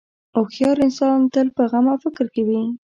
هوښیار انسان تل په غم او فکر کې وي.